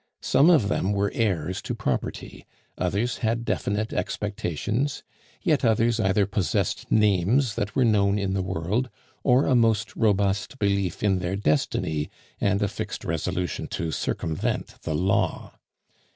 Some of them were heirs to property, others had definite expectations; yet others either possessed names that were known in the world, or a most robust belief in their destiny and a fixed resolution to circumvent the law.